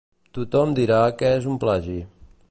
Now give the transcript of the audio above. Tothom dirà que és un plagi.